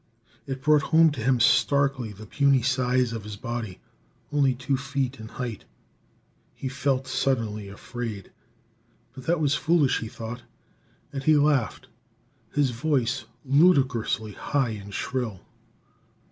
It brought home to him starkly the puny size of his body, only two feet in height. He felt suddenly afraid. But that was foolish, he thought; and he laughed, his voice ludicrously high and shrill.